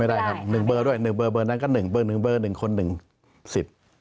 ไม่ได้ครับ๑เบอร์ด้วย๑เบอร์นั้นก็๑เบอร์๑เบอร์๑คน๑สิทธิ์